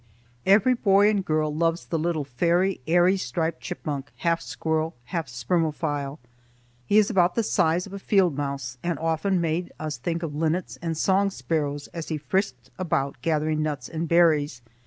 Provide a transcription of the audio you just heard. Every boy and girl loves the little fairy, airy striped chipmunk, half squirrel, half spermophile. He is about the size of a field mouse, and often made us think of linnets and song sparrows as he frisked about gathering nuts and berries.